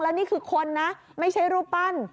แล้วนี่คือคนนะไม่ใช่รูปปั้น